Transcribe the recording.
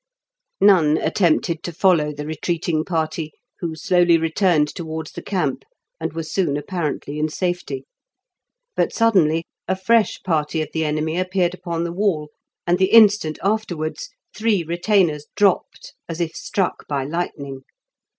None attempted to follow the retreating party, who slowly returned towards the camp, and were soon apparently in safety. But suddenly a fresh party of the enemy appeared upon the wall, and the instant afterwards three retainers dropped, as if struck by lightning.